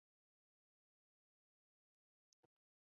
包兆龙其后亦于中国大陆各地参与多项公益项目。